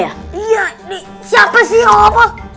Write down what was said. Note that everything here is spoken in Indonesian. iya nih siapa sih apa